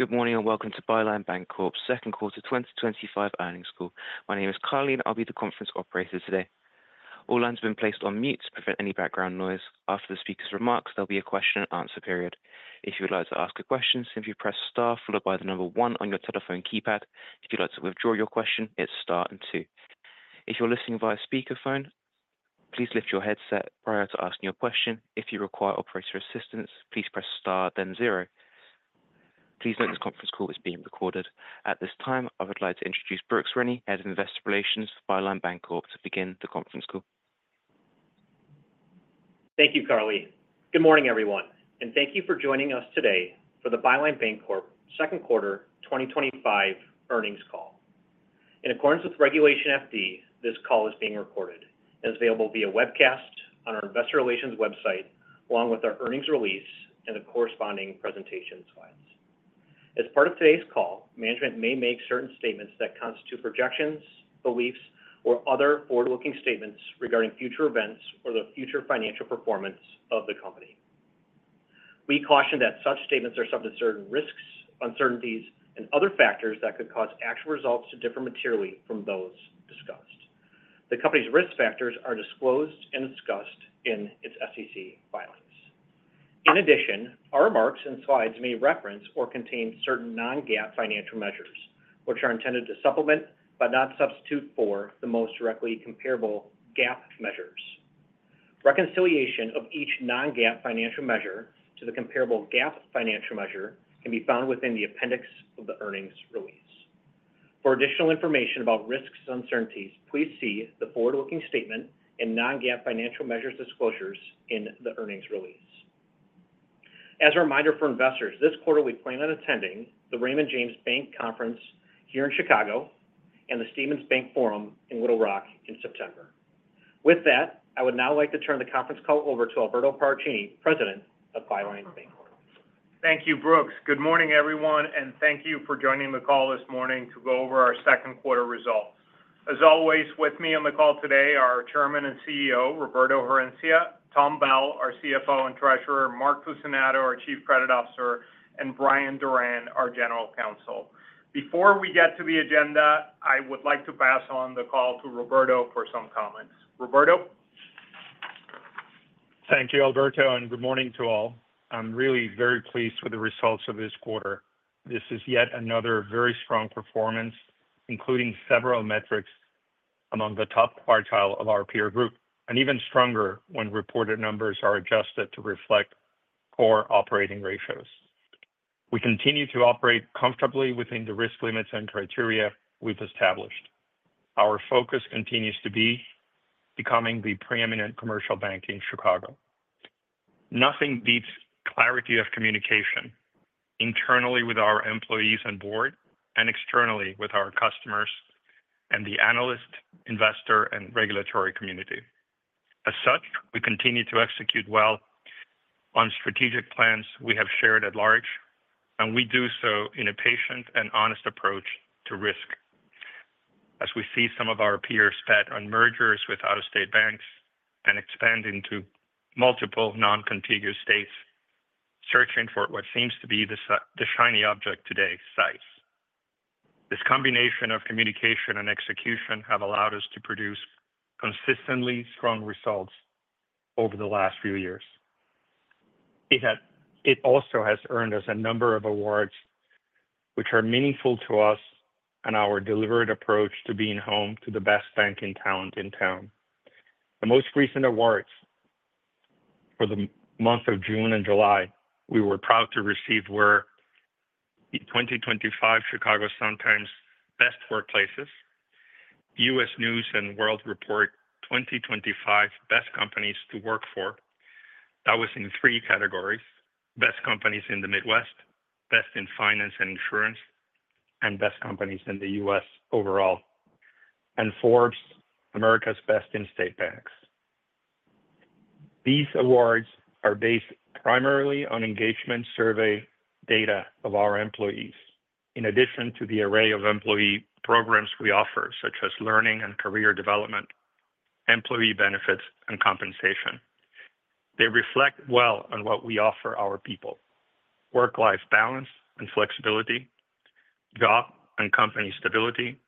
Good morning and welcome to Byline Bancorp's second quarter 2025 earnings call. My name is Carly, and I'll be the conference operator today. All lines have been placed on mute to prevent any background noise. After the speaker's remarks, there'll be a question and answer period. If you would like to ask a question, simply press star, followed by the number one on your telephone keypad. If you'd like to withdraw your question, it's star and two. If you're listening via speakerphone, please lift your headset prior to asking your question. If you require operator assistance, please press star, then zero. Please note this conference call is being recorded. At this time, I would like to introduce Brooks Rennie, Head of Investor Relations for Byline Bancorp, to begin the conference call. Thank you, Carly. Good morning, everyone, and thank you for joining us today for the Byline Bancorp second quarter 2025 earnings call. In accordance with Regulation FD, this call is being recorded and is available via webcast on our Investor Relations website, along with our earnings release and the corresponding presentation slides. As part of today's call, management may make certain statements that constitute projections, beliefs, or other forward-looking statements regarding future events or the future financial performance of the company. We caution that such statements are subject to certain risks, uncertainties, and other factors that could cause actual results to differ materially from those discussed. The company's risk factors are disclosed and discussed in its SEC filings. In addition, our remarks and slides may reference or contain certain non-GAAP financial measures, which are intended to supplement but not substitute for the most directly comparable GAAP measures. Reconciliation of each non-GAAP financial measure to the comparable GAAP financial measure can be found within the appendix of the earnings release. For additional information about risks and uncertainties, please see the forward-looking statement and non-GAAP financial measures disclosures in the earnings release. As a reminder for investors, this quarter we plan on attending the Raymond James Bank Conference here in Chicago and the Stephens Bank Forum in Little Rock in September. With that, I would now like to turn the conference call over to Alberto Paracchini, President of Byline Bancorp. Thank you, Brooks. Good morning, everyone, and thank you for joining the call this morning to go over our second quarter results. As always, with me on the call today are our Chairman and CEO, Roberto Herencia, Tom Bell, our CFO and Treasurer, Mark Fucinato, our Chief Credit Officer, and Brian Doran, our General Counsel. Before we get to the agenda, I would like to pass on the call to Roberto for some comments. Roberto? Thank you, Alberto, and good morning to all. I'm really very pleased with the results of this quarter. This is yet another very strong performance, including several metrics among the top quartile of our peer group, and even stronger when reported numbers are adjusted to reflect core operating ratios. We continue to operate comfortably within the risk limits and criteria we've established. Our focus continues to be becoming the preeminent commercial bank in Chicago. Nothing beats clarity of communication internally with our employees and board, and externally with our customers and the analyst, investor, and regulatory community. As such, we continue to execute well on strategic plans we have shared at large, and we do so in a patient and honest approach to risk. As we see some of our peers bet on mergers with out-of-state banks and expanding to multiple non-contiguous states, searching for what seems to be the shiny object today's size. This combination of communication and execution has allowed us to produce consistently strong results over the last few years. It also has earned us a number of awards, which are meaningful to us and our deliberate approach to being home to the best banking talent in town. The most recent awards for the month of June and July we were proud to receive were the 2025 Chicago Sun-Times Best Workplaces, U.S. News & World Report 2025 Best Companies to Work For. That was in three categories: Best Companies in the Midwest, Best in Finance and Insurance, and Best Companies in the U.S. overall, and Forbes America's Best in State Banks. These awards are based primarily on engagement survey data of our employees. In addition to the array of employee programs we offer, such as learning and career development, employee benefits, and compensation, they reflect well on what we offer our people: work-life balance and flexibility, job and company stability,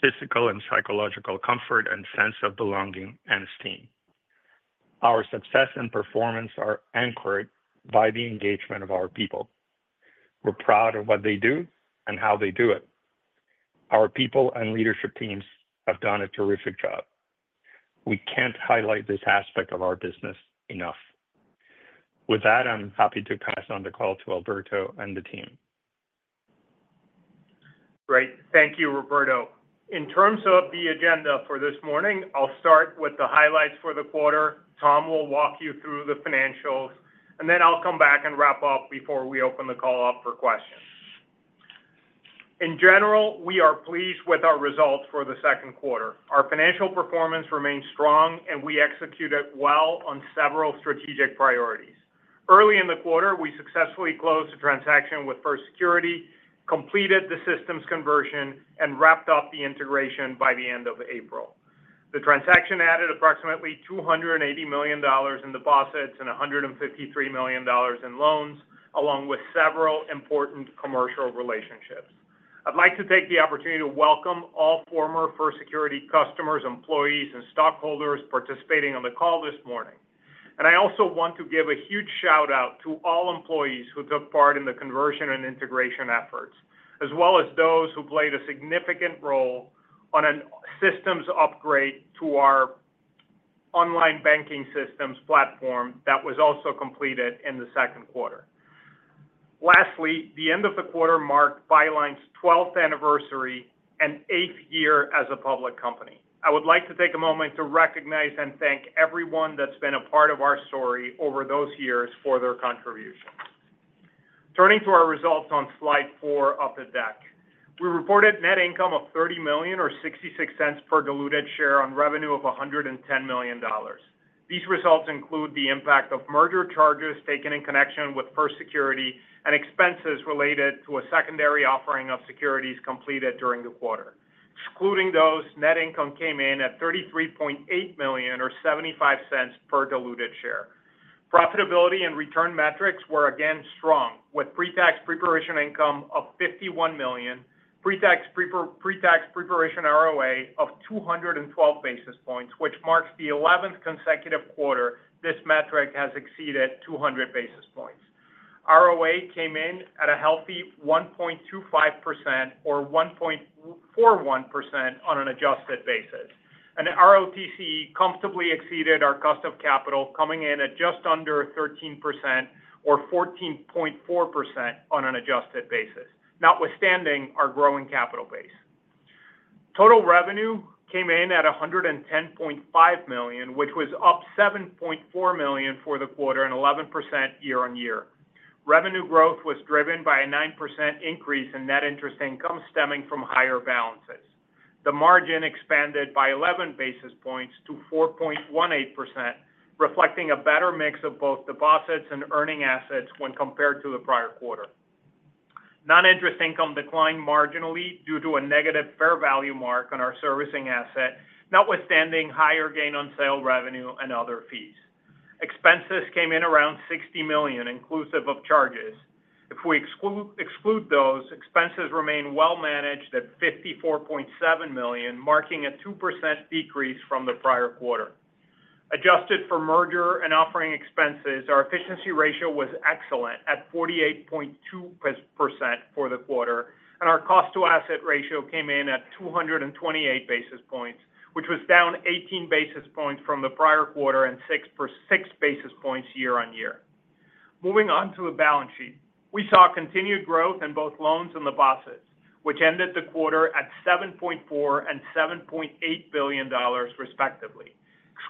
physical and psychological comfort, and a sense of belonging and esteem. Our success and performance are anchored by the engagement of our people. We're proud of what they do and how they do it. Our people and leadership teams have done a terrific job. We can't highlight this aspect of our business enough. With that, I'm happy to pass on the call to Alberto and the team. Great. Thank you, Roberto. In terms of the agenda for this morning, I'll start with the highlights for the quarter. Tom will walk you through the financials, and then I'll come back and wrap up before we open the call up for questions. In general, we are pleased with our results for the second quarter. Our financial performance remains strong, and we executed well on several strategic priorities. Early in the quarter, we successfully closed the transaction with First Security, completed the systems conversion, and wrapped up the integration by the end of April. The transaction added approximately $280 million in deposits and $153 million in loans, along with several important commercial relationships. I'd like to take the opportunity to welcome all former First Security customers, employees, and stockholders participating on the call this morning. I also want to give a huge shout-out to all employees who took part in the conversion and integration efforts, as well as those who played a significant role in a systems upgrade to our online banking systems platform that was also completed in the second quarter. Lastly, the end of the quarter marked Byline's 12th anniversary and eighth year as a public company. I would like to take a moment to recognize and thank everyone that's been a part of our story over those years for their contributions. Turning to our results on slide four up the deck, we reported a net income of $30 million or $0.66 per diluted share on revenue of $110 million. These results include the impact of merger charges taken in connection with First Security and expenses related to a secondary offering of securities completed during the quarter. Excluding those, net income came in at $33.8 million or $0.75 per diluted share. Profitability and return metrics were again strong, with pre-tax pre-provision income of $51 million, pre-tax pre-provision ROA of 212 basis points, which marks the 11th consecutive quarter this metric has exceeded 200 basis points. ROA came in at a healthy 1.25% or 1.41% on an adjusted basis. ROTC comfortably exceeded our cost of capital, coming in at just under 13% or 14.4% on an adjusted basis, notwithstanding our growing capital base. Total revenue came in at $110.5 million, which was up $7.4 million for the quarter and 11% year-on-year. Revenue growth was driven by a 9% increase in net interest income stemming from higher balances. The margin expanded by 11 basis points to 4.18%, reflecting a better mix of both deposits and earning assets when compared to the prior quarter. Non-interest income declined marginally due to a negative fair value mark on our servicing asset, notwithstanding higher gain on sale revenue and other fees. Expenses came in around $60 million, inclusive of charges. If we exclude those, expenses remain well managed at $54.7 million, marking a 2% decrease from the prior quarter. Adjusted for merger and offering expenses, our efficiency ratio was excellent at 48.2% for the quarter, and our cost-to-asset ratio came in at 228 basis points, which was down 18 basis points from the prior quarter and six basis points year-on-year. Moving on to the balance sheet, we saw continued growth in both loans and deposits, which ended the quarter at $7.4 billion and $7.8 billion, respectively.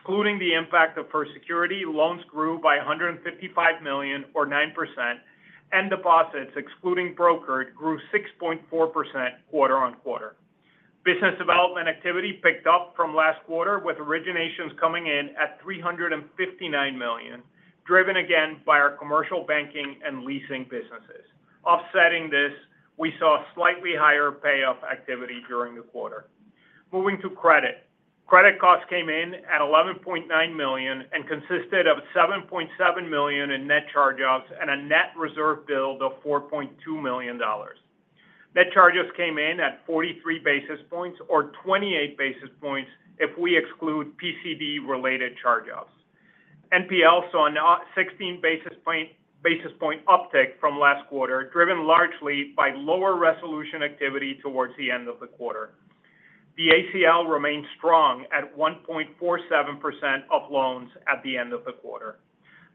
Excluding the impact of First Security, loans grew by $155 million or 9%, and deposits, excluding brokered, grew 6.4% quarter on quarter. Business development activity picked up from last quarter, with originations coming in at $359 million, driven again by our commercial banking and leasing businesses. Offsetting this, we saw slightly higher payoff activity during the quarter. Moving to credit, credit costs came in at $11.9 million and consisted of $7.7 million in net charge-offs and a net reserve build of $4.2 million. Net charge-offs came in at 43 basis points or 28 basis points if we exclude PCD-related charge-offs. NPL saw a 16 basis point uptick from last quarter, driven largely by lower resolution activity towards the end of the quarter. The ACL remained strong at 1.47% of loans at the end of the quarter.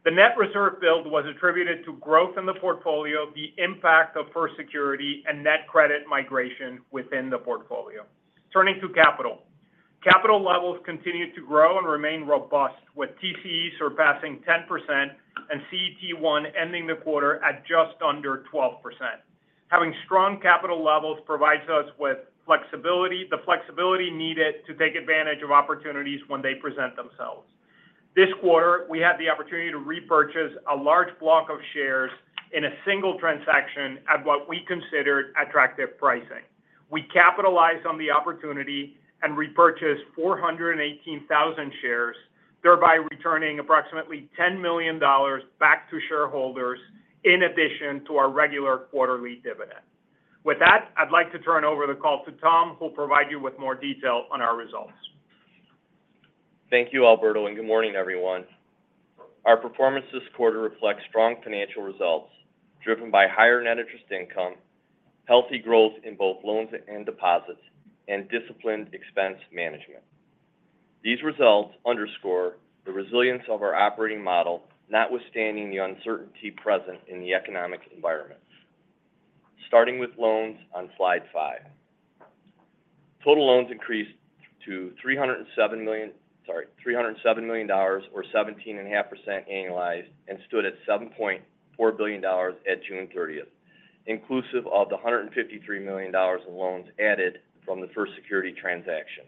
The net reserve build was attributed to growth in the portfolio, the impact of First Security, and net credit migration within the portfolio. Turning to capital, capital levels continue to grow and remain robust, with TCE surpassing 10% and CET1 ending the quarter at just under 12%. Having strong capital levels provides us with the flexibility needed to take advantage of opportunities when they present themselves. This quarter, we had the opportunity to repurchase a large block of shares in a single transaction at what we considered attractive pricing. We capitalized on the opportunity and repurchased 418,000 shares, thereby returning approximately $10 million back to shareholders in addition to our regular quarterly dividend. With that, I'd like to turn over the call to Tom, who will provide you with more detail on our results. Thank you, Alberto, and good morning, everyone. Our performance this quarter reflects strong financial results driven by higher net interest income, healthy growth in both loans and deposits, and disciplined expense management. These results underscore the resilience of our operating model, notwithstanding the uncertainty present in the economic environment. Starting with loans on slide five, total loans increased to $307 million, or 17.5% annualized, and stood at $7.4 billion at June 30th, inclusive of the $153 million in loans added from the First Security transaction.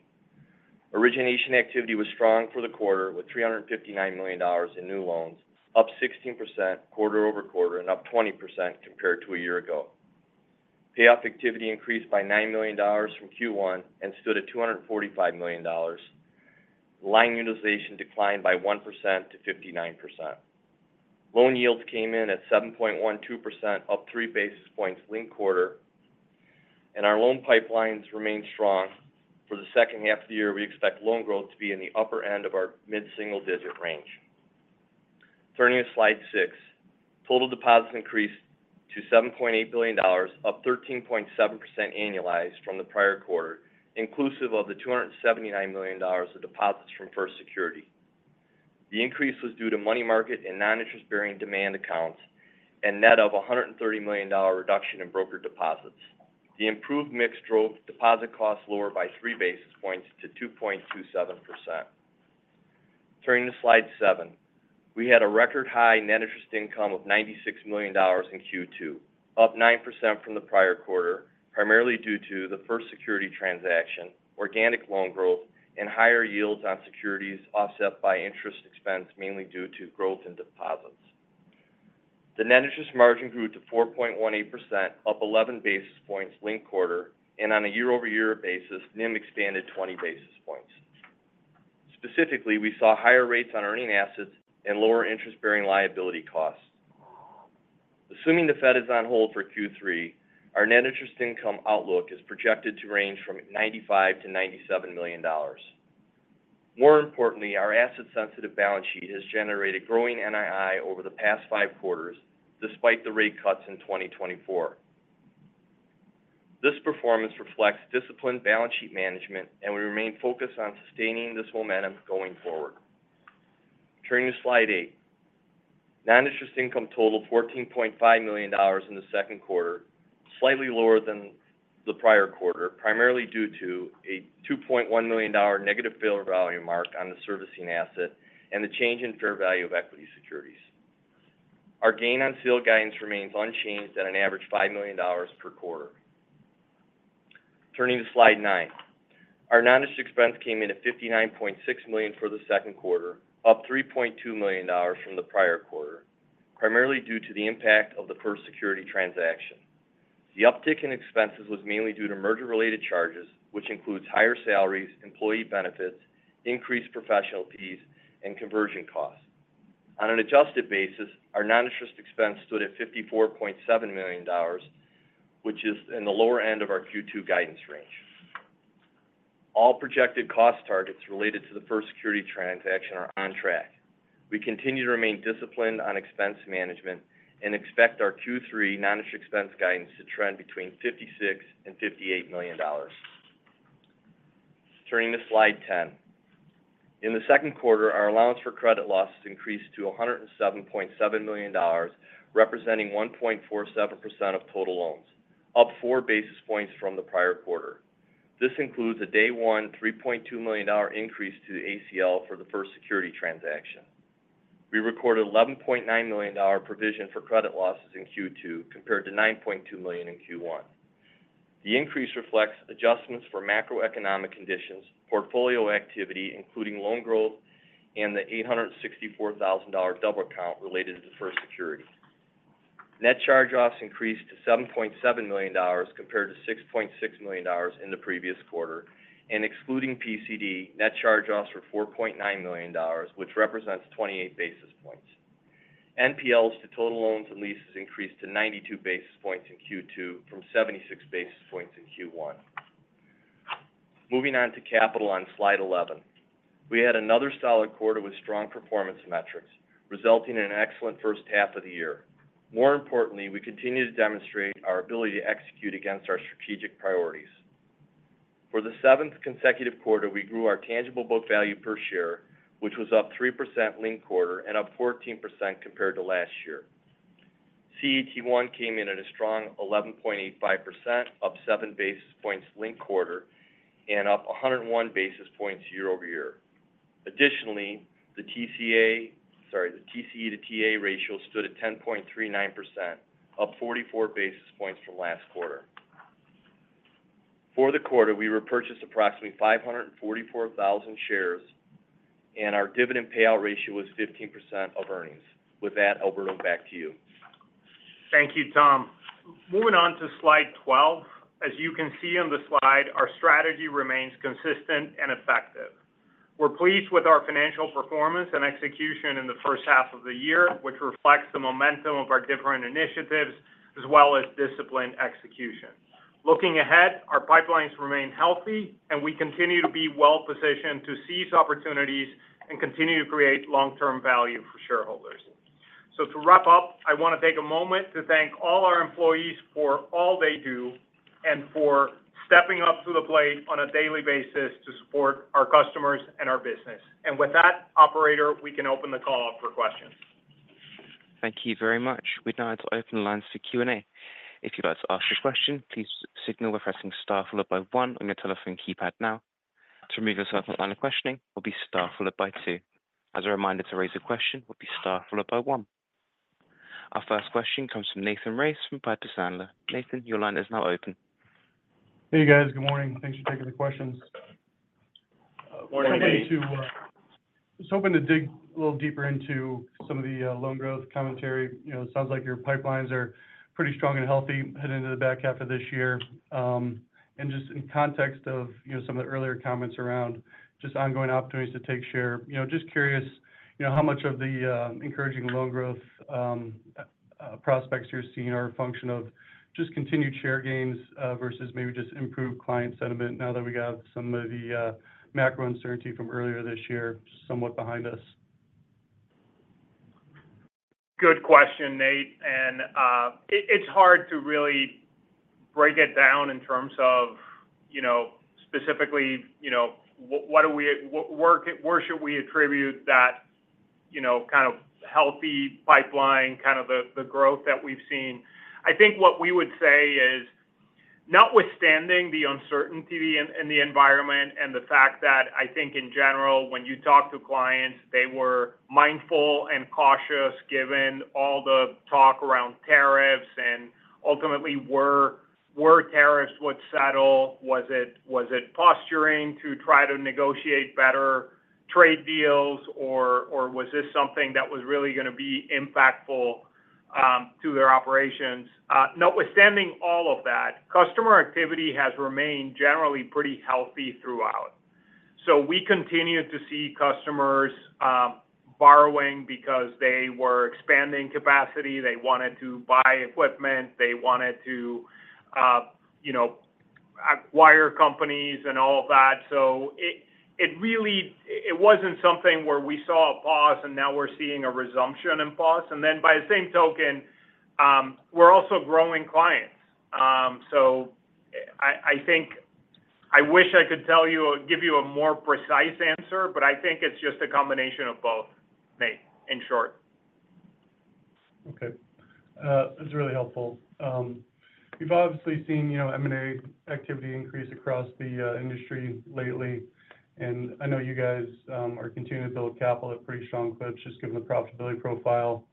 Origination activity was strong for the quarter, with $359 million in new loans, up 16% quarter-over-quarter and up 20% compared to a year ago. Payoff activity increased by $9 million from Q1 and stood at $245 million. Line utilization declined by 1% to 59%. Loan yields came in at 7.12%, up three basis points linked quarter, and our loan pipelines remained strong for the second half of the year. We expect loan growth to be in the upper end of our mid-single-digit range. Turning to slide six, total deposits increased to $7.8 billion, up 13.7% annualized from the prior quarter, inclusive of the $279 million of deposits from First Security. The increase was due to money market and non-interest-bearing demand accounts and a net of $130 million reduction in brokered deposits. The improved mix drove deposit costs lower by three basis points to 2.27%. Turning to slide seven, we had a record high net interest income of $96 million in Q2, up 9% from the prior quarter, primarily due to the First Security transaction, organic loan growth, and higher yields on securities offset by interest expense, mainly due to growth in deposits. The net interest margin grew to 4.18%, up 11 basis points linked quarter, and on a year-over-year basis, NIM expanded 20 basis points. Specifically, we saw higher rates on earning assets and lower interest-bearing liability costs. Assuming the Fed is on hold for Q3, our net interest income outlook is projected to range from $95 to $97 million. More importantly, our asset-sensitive balance sheet has generated growing NII over the past five quarters, despite the rate cuts in 2024. This performance reflects disciplined balance sheet management, and we remain focused on sustaining this momentum going forward. Turning to slide eight, non-interest income totaled $14.5 million in the second quarter, slightly lower than the prior quarter, primarily due to a $2.1 million negative fair value mark on the servicing asset and the change in fair value of equity securities. Our gain on sale guidance remains unchanged at an average of $5 million per quarter. Turning to slide nine, our non-interest expense came in at $59.6 million for the second quarter, up $3.2 million from the prior quarter, primarily due to the impact of the First Security transaction. The uptick in expenses was mainly due to merger-related charges, which includes higher salaries, employee benefits, increased professional fees, and conversion costs. On an adjusted basis, our non-interest expense stood at $54.7 million, which is in the lower end of our Q2 guidance range. All projected cost targets related to the First Security transaction are on track. We continue to remain disciplined on expense management and expect our Q3 non-interest expense guidance to trend between $56 and $58 million. Turning to slide 10, in the second quarter, our allowance for credit losses increased to $107.7 million, representing 1.47% of total loans, up four basis points from the prior quarter. This includes a day-one $3.2 million increase to the ACL for the First Security transaction. We recorded an $11.9 million provision for credit losses in Q2 compared to $9.2 million in Q1. The increase reflects adjustments for macroeconomic conditions, portfolio activity, including loan growth, and the $864,000 double count related to the First Security. Net charge-offs increased to $7.7 million compared to $6.6 million in the previous quarter, and excluding PCD, net charge-offs were $4.9 million, which represents 28 basis points. NPLs to total loans and leases increased to 92 basis points in Q2 from 76 basis points in Q1. Moving on to capital on slide 11, we had another solid quarter with strong performance metrics, resulting in an excellent first half of the year. More importantly, we continue to demonstrate our ability to execute against our strategic priorities. For the seventh consecutive quarter, we grew our tangible book value per share, which was up 3% linked quarter and up 14% compared to last year. CET1 came in at a strong 11.85%, up seven basis points linked quarter and up 101 basis points year-over-year. Additionally, the tangible common equity to tangible assets ratio stood at 10.39%, up 44 basis points from last quarter. For the quarter, we repurchased approximately 544,000 shares, and our dividend payout ratio was 15% of earnings. With that, Alberto, back to you. Thank you, Tom. Moving on to slide 12, as you can see on the slide, our strategy remains consistent and effective. We're pleased with our financial performance and execution in the first half of the year, which reflects the momentum of our different initiatives as well as disciplined execution. Looking ahead, our pipelines remain healthy, and we continue to be well-positioned to seize opportunities and continue to create long-term value for shareholders. To wrap up, I want to take a moment to thank all our employees for all they do and for stepping up to the plate on a daily basis to support our customers and our business. With that, operator, we can open the call up for questions. Thank you very much. We'd now like to open the lines to Q&A. If you'd like to ask your question, please signal by pressing star followed by one on your telephone keypad now. To remove yourself from the line of questioning, use star followed by two. As a reminder, to raise a question, use star followed by one. Our first question comes from Nathan Race from Piper Sandler. Nathan, your line is now open. Good morning. Thanks for taking the questions. Morning, everybody. I was hoping to dig a little deeper into some of the loan growth commentary. It sounds like your pipelines are pretty strong and healthy heading into the back half of this year. In context of some of the earlier comments around ongoing opportunities to take share, I am curious how much of the encouraging loan growth prospects you are seeing are a function of continued share gains versus maybe just improved client sentiment now that we have some of the macro uncertainty from earlier this year somewhat behind us? Good question, Nate. It's hard to really break it down in terms of, you know, specifically, you know, what are we, where should we attribute that, you know, kind of healthy pipeline, kind of the growth that we've seen? I think what we would say is, notwithstanding the uncertainty in the environment and the fact that I think in general, when you talk to clients, they were mindful and cautious given all the talk around tariffs and ultimately were tariffs what settle? Was it posturing to try to negotiate better trade deals, or was this something that was really going to be impactful to their operations? Notwithstanding all of that, customer activity has remained generally pretty healthy throughout. We continued to see customers borrowing because they were expanding capacity. They wanted to buy equipment. They wanted to, you know, acquire companies and all of that. It really, it wasn't something where we saw a pause and now we're seeing a resumption and pause. By the same token, we're also growing clients. I think I wish I could tell you or give you a more precise answer, but I think it's just a combination of both, Nate, in short. That's really helpful. We've obviously seen M&A activity increase across the industry lately. I know you guys are continuing to build capital at pretty strong clips just given the profitability profile.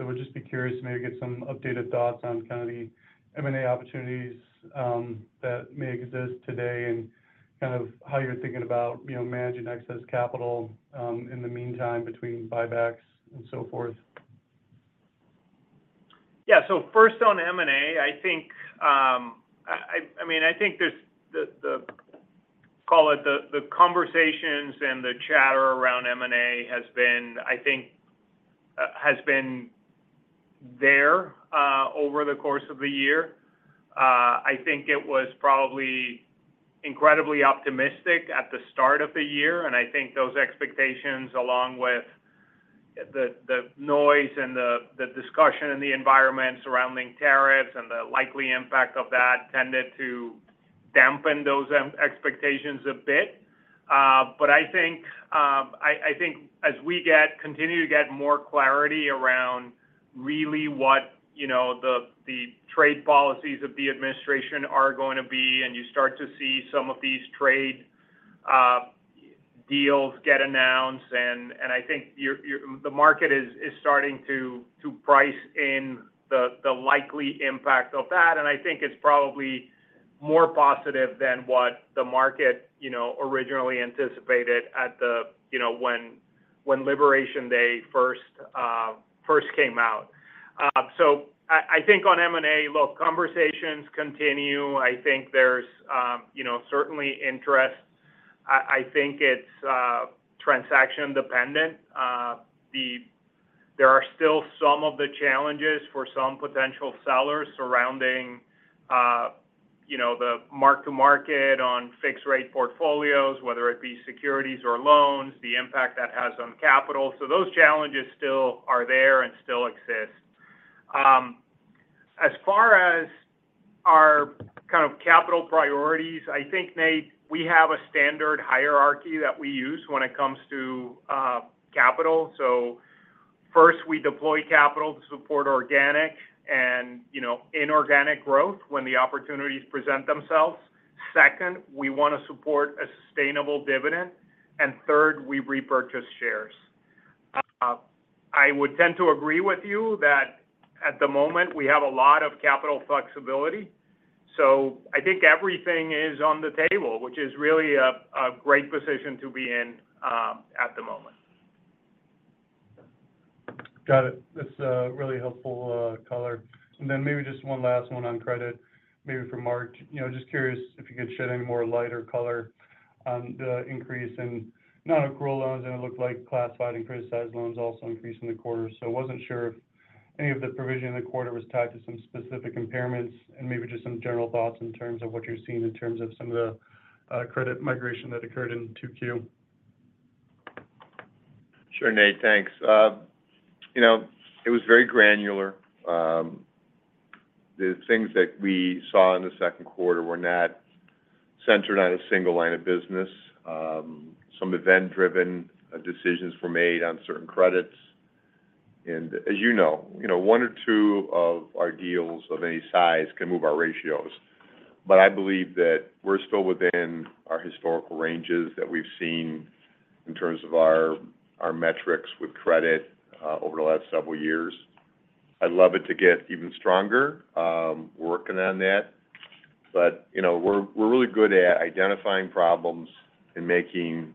We'd just be curious to maybe get some updated thoughts on kind of the M&A opportunities that may exist today and kind of how you're thinking about managing excess capital in the meantime between buybacks and so forth. Yeah. On M&A, I think there's the, call it the conversations and the chatter around M&A has been there over the course of the year. It was probably incredibly optimistic at the start of the year. Those expectations, along with the noise and the discussion in the environment surrounding tariffs and the likely impact of that, tended to dampen those expectations a bit. As we continue to get more clarity around really what the trade policies of the administration are going to be, and you start to see some of these trade deals get announced, the market is starting to price in the likely impact of that. I think it's probably more positive than what the market originally anticipated when Liberation Day first came out. On M&A, conversations continue. There's certainly interest. It's transaction-dependent. There are still some of the challenges for some potential sellers surrounding the mark-to-market on fixed-rate portfolios, whether it be securities or loans, and the impact that has on capital. Those challenges still are there and still exist. As far as our kind of capital priorities, Nate, we have a standard hierarchy that we use when it comes to capital. First, we deploy capital to support organic and inorganic growth when the opportunities present themselves. Second, we want to support a sustainable dividend. Third, we repurchase shares. I would tend to agree with you that at the moment, we have a lot of capital flexibility. Everything is on the table, which is really a great position to be in at the moment. Got it. That's a really helpful color. Maybe just one last one on credit, maybe for Mark. Just curious if you could shed any more light or color on the increase in non-accrual loans. It looked like classified and criticized loans also increased in the quarter. I wasn't sure if any of the provision in the quarter was tied to some specific impairments and maybe just some general thoughts in terms of what you're seeing in terms of some of the credit migration that occurred in 2Q. Sure, Nate. Thanks. It was very granular. The things that we saw in the second quarter were not centered on a single line of business. Some event-driven decisions were made on certain credits. As you know, one or two of our deals of any size can move our ratios. I believe that we're still within our historical ranges that we've seen in terms of our metrics with credit over the last several years. I'd love it to get even stronger, working on that. We're really good at identifying problems and making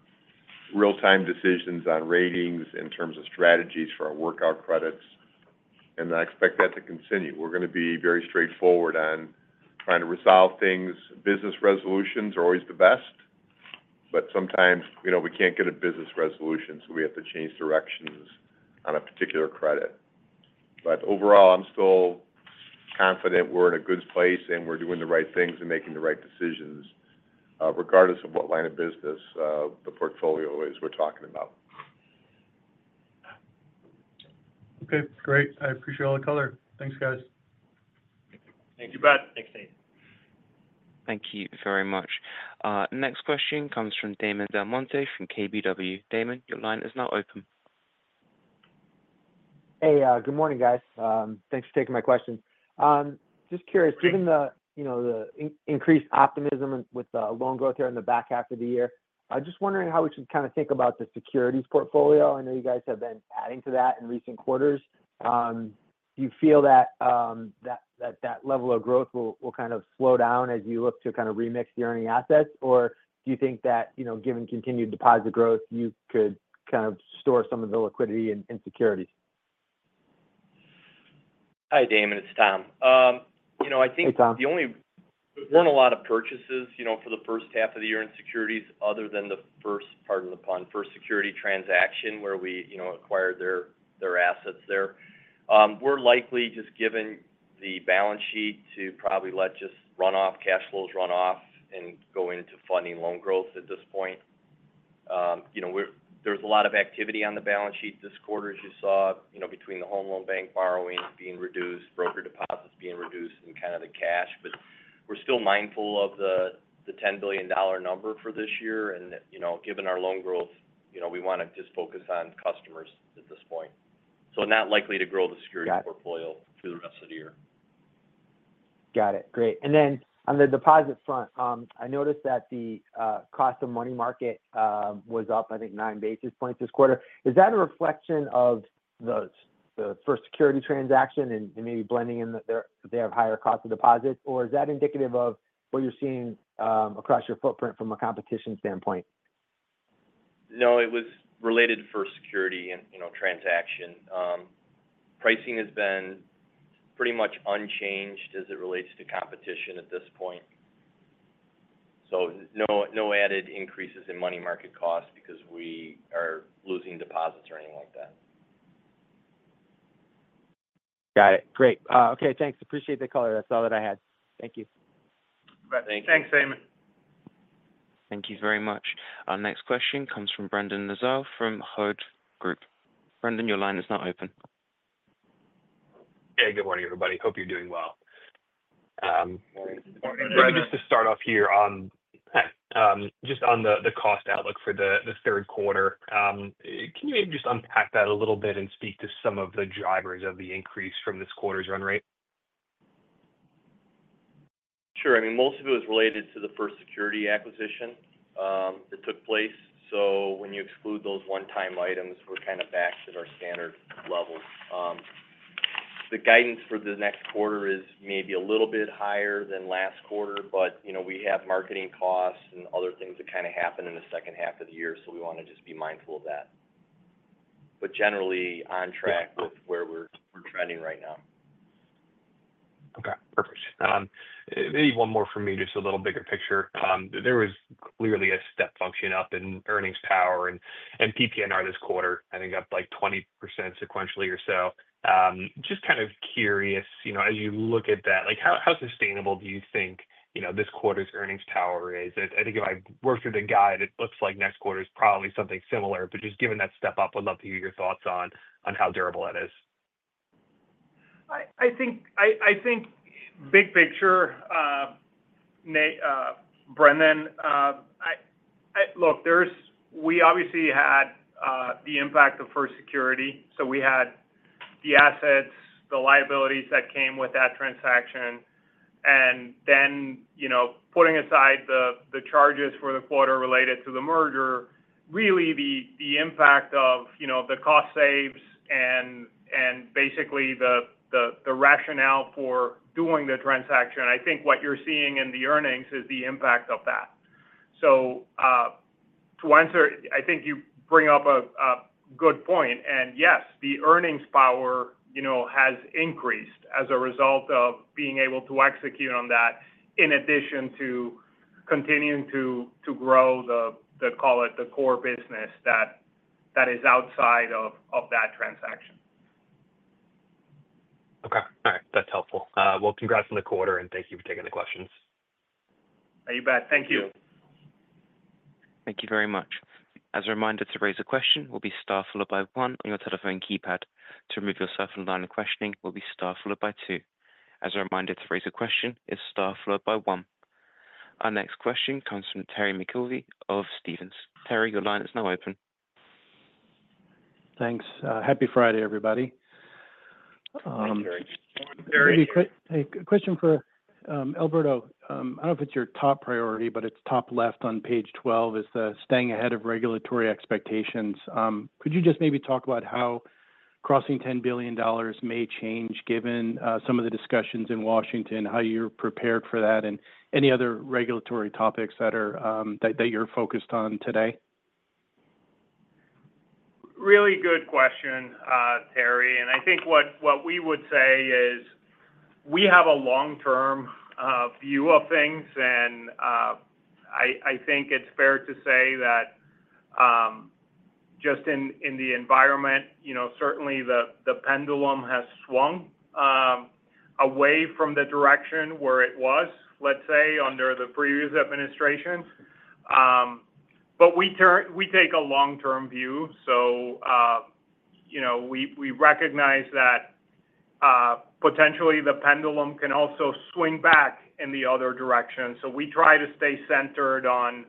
real-time decisions on ratings in terms of strategies for our workout credits. I expect that to continue. We're going to be very straightforward on trying to resolve things. Business resolutions are always the best. Sometimes we can't get a business resolution, so we have to change directions on a particular credit. Overall, I'm still confident we're in a good place and we're doing the right things and making the right decisions, regardless of what line of business the portfolio is we're talking about. Okay. Great. I appreciate all the color. Thanks, guys. Thank you. Thank you very much. Thank you very much. Next question comes from Damon Del Monte from KBW. Damon, your line is now open. Good morning, guys. Thanks for taking my question. I'm just curious, given the increased optimism with the loan growth here in the back half of the year, I'm just wondering how we should kind of think about the securities portfolio. I know you guys have been adding to that in recent quarters. Do you feel that level of growth will kind of slow down as you look to remix the earning assets? Do you think that, given continued deposit growth, you could kind of store some of the liquidity in securities? Hi, Damon. It's Tom. I think the only, we're in a lot of purchases for the first half of the year in securities other than the first, pardon the pun, First Security transaction where we acquired their assets there. We're likely, just given the balance sheet, to probably let just run-off cash flows run off and go into funding loan growth at this point. There's a lot of activity on the balance sheet this quarter as you saw, between the home loan bank borrowing being reduced, brokered deposits being reduced, and kind of the cash. We're still mindful of the $10 billion number for this year. Given our loan growth, we want to just focus on customers at this point. Not likely to grow the security portfolio for the rest of the year. Got it. Great. On the deposit front, I noticed that the cost of money market was up, I think, nine basis points this quarter. Is that a reflection of the First Security transaction and maybe blending in that they have higher cost of deposit, or is that indicative of what you're seeing across your footprint from a competition standpoint? No, it was related to the First Security and, you know, transaction. Pricing has been pretty much unchanged as it relates to competition at this point. No added increases in money market costs because we are losing deposits or anything like that. Got it. Great. Okay. Thanks. Appreciate the color. That's all that I had. Thank you. Thanks. Thanks, Damon. Thank you very much. Our next question comes from Brendan Nosal from Hovde Group. Brendan, your line is now open. Yeah, good morning, everybody. Hope you're doing well. Morning. Morning, Brad. Just to start off here, on the cost outlook for the third quarter, can you maybe just unpack that a little bit and speak to some of the drivers of the increase from this quarter's run rate? Sure. I mean, most of it was related to the First Security acquisition that took place. When you exclude those one-time items, we're kind of back to our standard levels. The guidance for the next quarter is maybe a little bit higher than last quarter, but you know we have marketing costs and other things that kind of happen in the second half of the year, so we want to just be mindful of that. Generally, on track with where we're trending right now. Okay. Perfect. Maybe one more from me, just a little bigger picture. There was clearly a step function up in earnings power, and PPNR this quarter, I think, up like 20% sequentially or so. Just kind of curious, you know, as you look at that, like how sustainable do you think, you know, this quarter's earnings power is? I think if I worked with a guide, it looks like next quarter is probably something similar. Just given that step up, I'd love to hear your thoughts on how durable that is. I think big picture, Brendan, look, we obviously had the impact of First Security. We had the assets and the liabilities that came with that transaction. Then, putting aside the charges for the quarter related to the merger, really the impact of the cost saves and basically the rationale for doing the transaction, I think what you're seeing in the earnings is the impact of that. To answer, I think you bring up a good point. Yes, the earnings power has increased as a result of being able to execute on that in addition to continuing to grow the, call it, the core business that is outside of that transaction. Okay. All right. That's helpful. Congratulations on the quarter, and thank you for taking the questions. You bet. Thank you. Thank you very much. As a reminder, to raise a question, use star followed by one on your telephone keypad. To remove yourself from the line of questioning, use star followed by two. As a reminder, to raise a question is star followed by one. Our next question comes from Terry McEvoy of Stephens. Terry, your line is now open. Thanks. Happy Friday, everybody. Thank you, Terry. Terry, a question for Alberto. I don't know if it's your top priority, but it's top left on page 12 is the staying ahead of regulatory expectations. Could you just maybe talk about how crossing $10 billion may change given some of the discussions in Washington, how you're prepared for that, and any other regulatory topics that you're focused on today? Really good question, Terry. I think what we would say is we have a long-term view of things. I think it's fair to say that just in the environment, certainly the pendulum has swung away from the direction where it was, let's say, under the previous administrations. We take a long-term view. We recognize that potentially the pendulum can also swing back in the other direction. We try to stay centered on,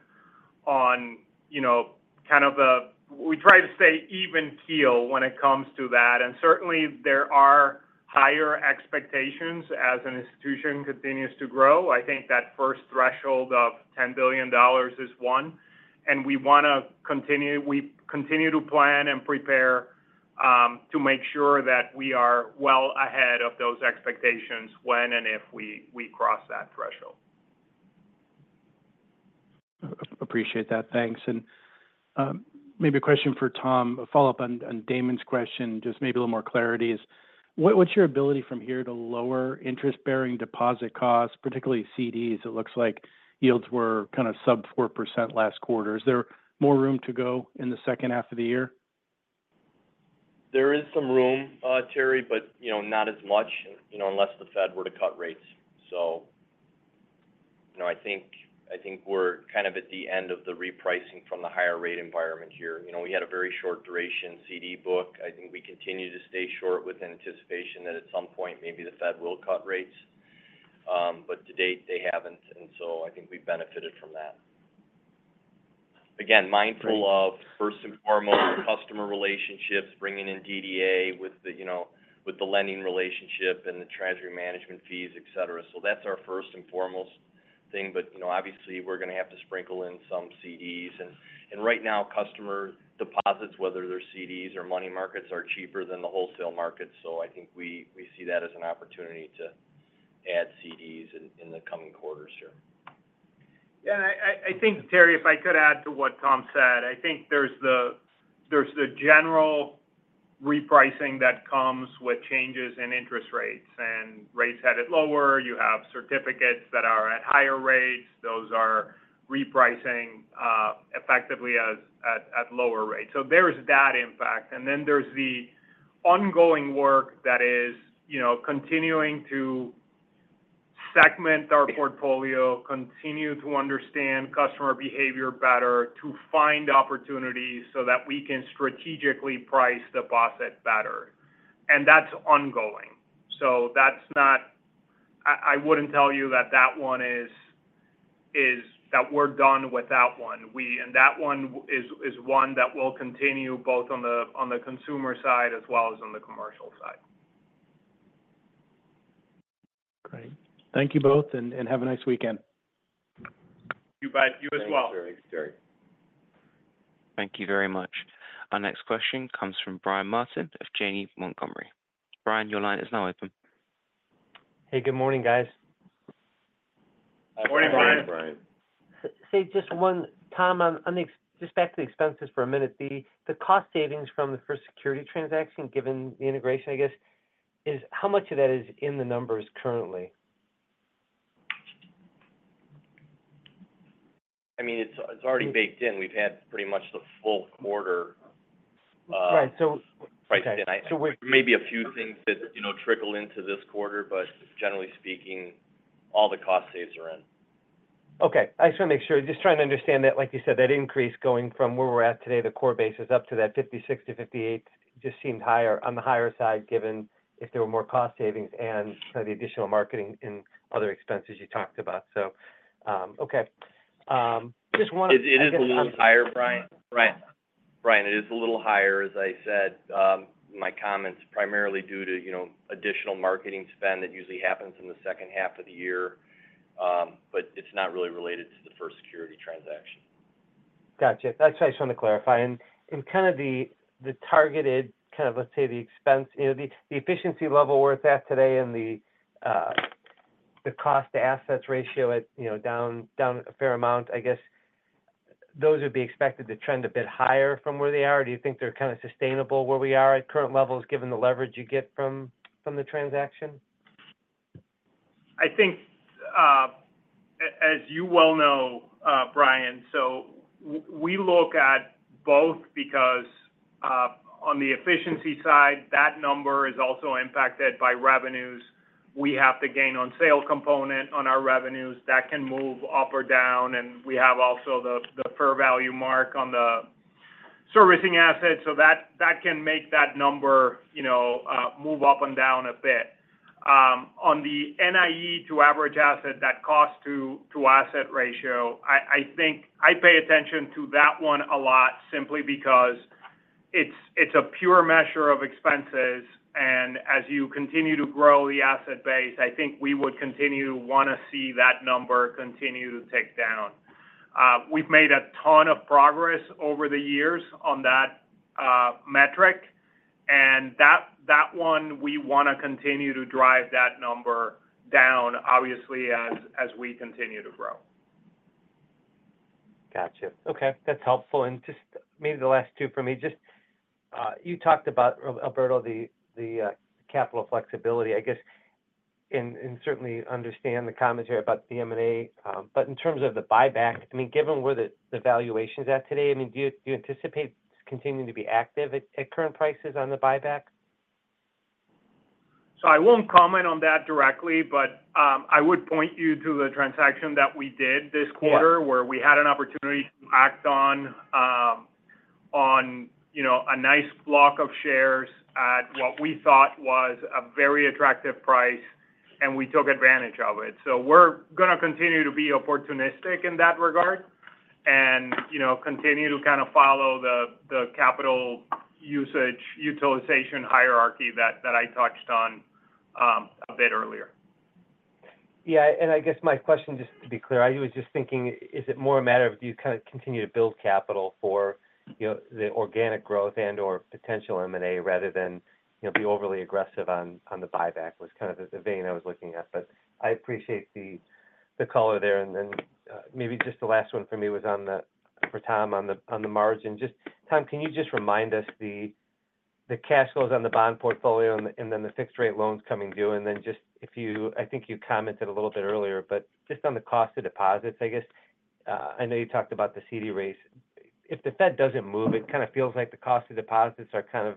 you know, kind of the we try to stay even keel when it comes to that. Certainly, there are higher expectations as an institution continues to grow. I think that first threshold of $10 billion is one. We want to continue, we continue to plan and prepare to make sure that we are well ahead of those expectations when and if we cross that threshold. Appreciate that. Thanks. Maybe a question for Tom, a follow-up on Damon's question, just maybe a little more clarity is what's your ability from here to lower interest-bearing deposit costs, particularly CDs? It looks like yields were kind of sub 4% last quarter. Is there more room to go in the second half of the year? There is some room, Terry, but you know, not as much, you know, unless the Fed were to cut rates. I think we're kind of at the end of the repricing from the higher-rate environment here. We had a very short-duration CD book. I think we continue to stay short with anticipation that at some point maybe the Fed will cut rates. To date, they haven't. I think we've benefited from that. Again, mindful of first and foremost customer relationships, bringing in DDA with the lending relationship and the treasury management fees, etc. That's our first and foremost thing. Obviously, we're going to have to sprinkle in some CDs. Right now, customer deposits, whether they're CDs or money markets, are cheaper than the wholesale market. I think we see that as an opportunity to add CDs in the coming quarters here. Yeah. I think, Terry, if I could add to what Tom said, I think there's the general repricing that comes with changes in interest rates. Rates headed lower, you have certificates that are at higher rates. Those are repricing effectively at lower rates. There's that impact. Then there's the ongoing work that is continuing to segment our portfolio, continue to understand customer behavior better, to find opportunities so that we can strategically price deposits better. That's ongoing. I wouldn't tell you that we're done with that one. That one is one that will continue both on the consumer side as well as on the commercial side. Great. Thank you both, and have a nice weekend. You bet. You as well. Thanks, Terry. Thank you very much. Our next question comes from Brian Martin of Janney Montgomery. Brian, your line is now open. Hey, good morning, guys. Morning, Brian. Just one, Tom, on the expected expenses for a minute. The cost savings from the First Security transaction, given the integration, I guess, is how much of that is in the numbers currently? I mean, it's already baked in. We've had pretty much the full quarter. Right. So. Maybe a few things that, you know, trickle into this quarter, but generally speaking, all the cost saves are in. Okay, I just want to make sure. Just trying to understand that, like you said, that increase going from where we're at today, the core basis up to that 56% to 58%. It just seemed higher on the higher side given if there were more cost savings and kind of the additional marketing and other expenses you talked about. Okay. It is a little higher, Brian. It is a little higher, as I said in my comments, primarily due to additional marketing spend that usually happens in the second half of the year. It's not really related to the First Security transaction. Gotcha. That's what I just wanted to clarify. The targeted, let's say, the expense, you know, the efficiency level where it's at today and the cost-to-assets ratio, you know, down a fair amount, I guess those would be expected to trend a bit higher from where they are. Do you think they're kind of sustainable where we are at current levels given the leverage you get from the transaction? I think, as you well know, Brian, we look at both because on the efficiency side, that number is also impacted by revenues. We have the gain-on-sale component on our revenues. That can move up or down, and we have also the fair value mark on the servicing assets. That can make that number move up and down a bit. On the NIE to average asset, that cost-to-asset ratio, I think I pay attention to that one a lot simply because it's a pure measure of expenses. As you continue to grow the asset base, I think we would continue to want to see that number continue to tick down. We've made a ton of progress over the years on that metric, and that one, we want to continue to drive that number down, obviously, as we continue to grow. Gotcha. Okay. That's helpful. Maybe the last two for me. You talked about, Alberto, the capital flexibility, I guess, and certainly understand the commentary about the M&A. In terms of the buyback, given where the valuation is at today, do you anticipate this continuing to be active at current prices on the buyback? I won't comment on that directly, but I would point you to the transaction that we did this quarter where we had an opportunity to act on a nice block of shares at what we thought was a very attractive price, and we took advantage of it. We're going to continue to be opportunistic in that regard and continue to kind of follow the capital usage utilization hierarchy that I touched on a bit earlier. Yeah. I guess my question, just to be clear, I was just thinking, is it more a matter of do you kind of continue to build capital for, you know, the organic growth and/or potential M&A rather than, you know, be overly aggressive on the buyback? That was kind of the vein I was looking at. I appreciate the color there. Maybe just the last one for me was for Tom on the margin. Tom, can you just remind us the cash flows on the bond portfolio and then the fixed-rate loans coming due? If you, I think you commented a little bit earlier, but just on the cost of deposits, I guess, I know you talked about the CD rates. If the Fed doesn't move, it kind of feels like the cost of deposits are kind of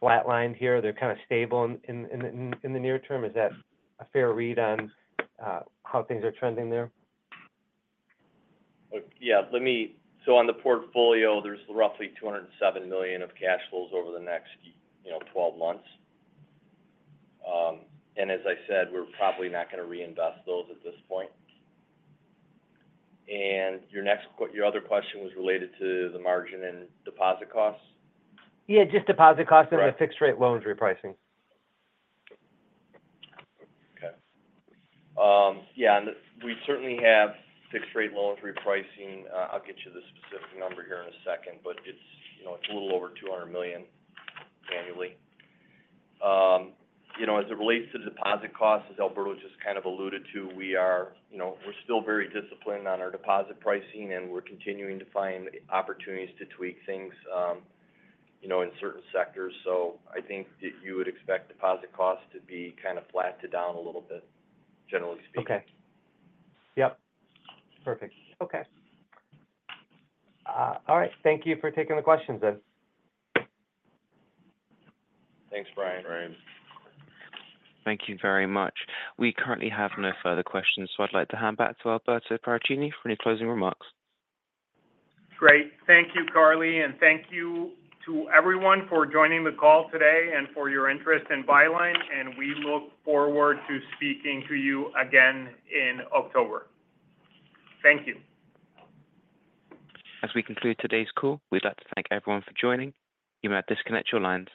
flatlined here. They're kind of stable in the near term. Is that a fair read on how things are trending there? Let me, so on the portfolio, there's roughly $207 million of cash flows over the next, you know, 12 months. As I said, we're probably not going to reinvest those at this point. Your next question, your other question was related to the margin and deposit costs? Yeah, just deposit costs and the fixed-rate loans repricing. Okay. We certainly have fixed-rate loans repricing. I'll get you the specific number here in a second, but it's a little over $200 million annually. As it relates to the deposit costs, as Alberto just kind of alluded to, we are still very disciplined on our deposit pricing, and we're continuing to find opportunities to tweak things in certain sectors. I think that you would expect deposit costs to be kind of flat to down a little bit, generally speaking. Okay. Perfect. All right. Thank you for taking the questions then. Thanks, Brian. Thank you very much. We currently have no further questions, so I'd like to hand back to Alberto Paracchini for any closing remarks. Great. Thank you, Carly. Thank you to everyone for joining the call today and for your interest in Byline. We look forward to speaking to you again in October. Thank you. As we conclude today's call, we'd like to thank everyone for joining. You may disconnect your lines.